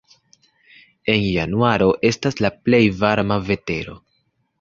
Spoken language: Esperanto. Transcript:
En januaro estas la plej varma vetero.